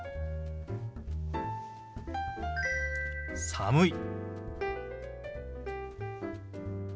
「寒い」。